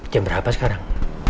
jam berapa sekarang